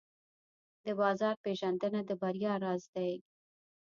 د بازار پېژندنه د بریا راز دی.